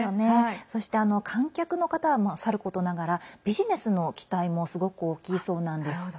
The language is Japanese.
そして観客の方はさることながらビジネスの期待もすごく大きいそうなんです。